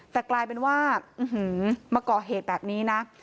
แต่กลายเป็นว่ามาก่อเหตุแบบนี้นะ